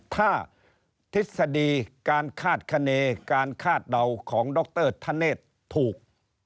ถ้าทฤษฎีการคาดคณีการคาดเดาของดรธเนธถูก